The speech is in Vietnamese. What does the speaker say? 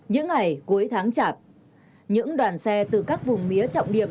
những ngày cuối tháng chạp những đoàn xe từ các vùng mía trọng điểm